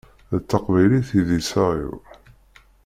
D taqbaylit i d iseɣ-iw.